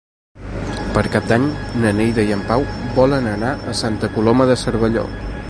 Per Cap d'Any na Neida i en Pau volen anar a Santa Coloma de Cervelló.